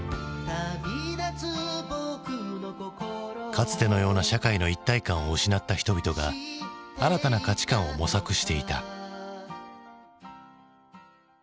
かつてのような社会の一体感を失った人々が新たな価値観を模索していた。